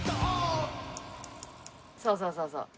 そうそうそうそう。